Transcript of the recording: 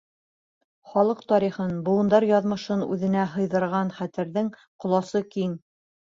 Халыҡ тарихын, быуындар яҙмышын үҙенә һыйҙырған хәтерҙең ҡоласы киң.